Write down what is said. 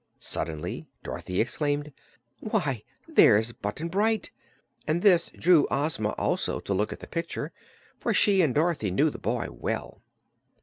Suddenly Dorothy exclaimed: "Why, there's Button Bright!" and this drew Ozma also to look at the picture, for she and Dorothy knew the boy well.